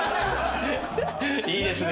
いいですね